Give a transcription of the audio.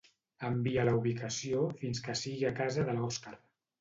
Envia la ubicació fins que sigui a casa de l'Òscar.